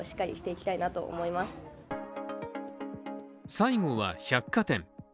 最後は百貨店。